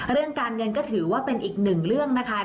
เรื่องการเงินก็ถือว่าเป็นอีกหนึ่งเรื่องนะคะ